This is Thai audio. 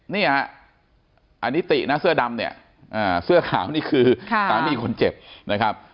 เนี่ยอันนี้ตินะเสื้อดำเนี่ยเสื้อขาวนี่คือสามีคนเจ็บนะครับ